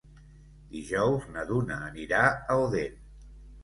Dijous na Duna anirà a Odèn.